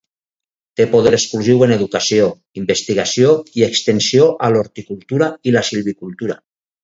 Té poder exclusiu en educació, investigació i extensió a l'horticultura i la silvicultura.